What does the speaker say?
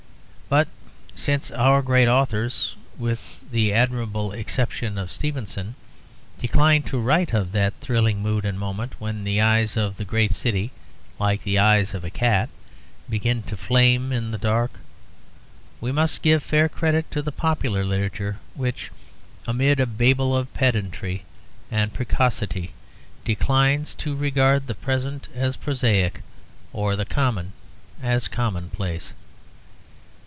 But since our great authors (with the admirable exception of Stevenson) decline to write of that thrilling mood and moment when the eyes of the great city, like the eyes of a cat, begin to flame in the dark, we must give fair credit to the popular literature which, amid a babble of pedantry and preciosity, declines to regard the present as prosaic or the common as commonplace.